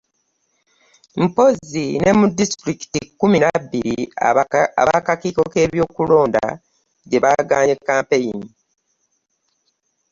Mpozzi ne mu disitulikiti kkumi na bniri aba kakiiko k'ebyokulonda gye bagaanye kkampeyini.